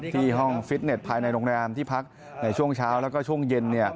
ที่ห้องฟิตเน็ตภายในโรงแรมที่พักในช่วงเช้าแล้วก็ช่วงเย็น